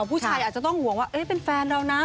ผู้ชายอาจจะต้องห่วงว่าเป็นแฟนเรานะ